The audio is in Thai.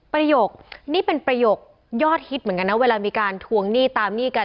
ประโยคนี่เป็นประโยคยอดฮิตเหมือนกันนะเวลามีการทวงหนี้ตามหนี้กัน